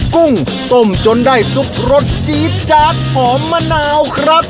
กุ้งต้มจนได้สุปรสชีพจากหอมมะหนาว๒๐๑๘